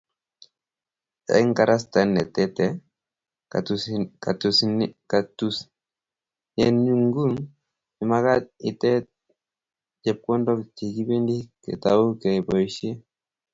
Eng kasarta ne tete katunisyeng'ung', imagaat itet chepkondook chekibendi ketou keboisye.